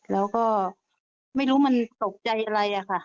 แล้วก็ไม่รู้มันตกใจอะไรอะค่ะ